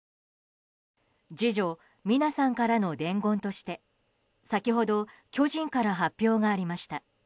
次女・三奈さんからの伝言として先程、巨人から発表がありました。